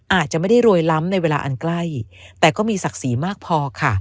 อาจจะไม่ได้รวยล้ำในเวลาอันใกล้แต่ก็มีศักดิ์ศรีมากพอค่ะ